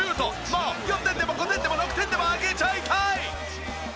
もう４点でも５点でも６点でもあげちゃいたい！